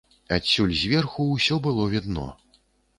Адсюль зверху ўсё было відно.